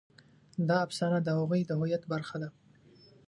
دا افسانه د هغوی د هویت برخه ده.